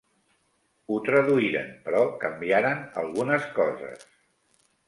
Ho traduïren, però canviaren algunes coses.